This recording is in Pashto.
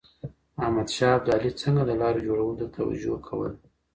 احمد شاه ابدالي څنګه د لارو جوړولو ته توجه کوله؟